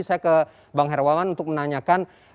saya ke bang herwawan untuk menanyakan